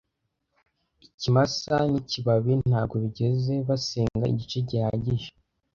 Ikimasa n'ikibabi ntabwo bigeze basenga igice gihagije,